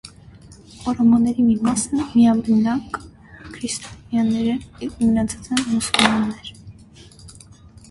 Օրոմոների մի մասը միաբնակ քրիստոնյաներ են, մնացածը՝ մուսուլմաններ։